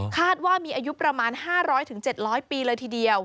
คาดว่ามีอายุประมาณ๕๐๐๗๐๐ปีเลยทีเดียว